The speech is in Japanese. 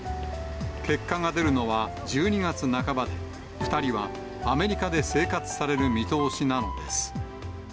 結果が出るのは１２月半ばで、２人はアメリカで生活される見通しなのです。